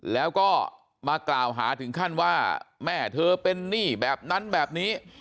แล้วก็มากล่าวหาถึงขั้นว่าแม่เธอเป็นหนี้แบบนั้นแบบนี้